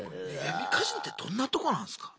闇カジノってどんなとこなんすか？